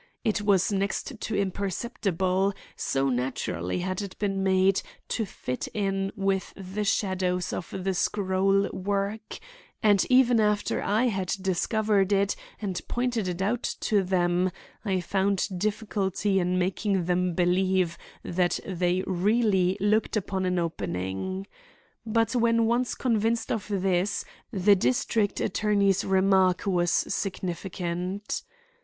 It was next to imperceptible, so naturally had it been made to fit in with the shadows of the scroll work; and even after I had discovered it and pointed it out to them, I found difficulty in making them believe that they really looked upon an opening. But when once convinced of this, the district attorney's remark was significant.